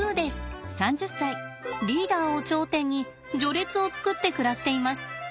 リーダーを頂点に序列を作って暮らしています。